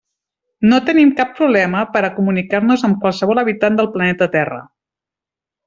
No tenim cap problema per a comunicar-nos amb qualsevol habitant del planeta Terra.